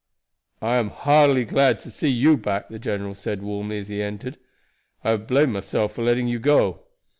"I am heartily glad to see you back," the general said warmly as he entered. "I have blamed myself for letting you go.